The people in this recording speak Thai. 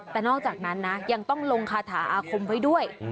แต่นอกจากนั้นนะยังต้องลงคาถาอาคมไว้ด้วย